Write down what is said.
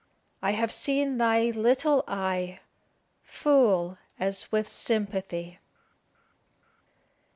I have seen thy little eye Full as if with sympathy."